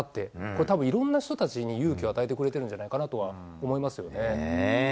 これたぶん、いろんな人たちに勇気を与えてくれてるんじゃないかなとは思いま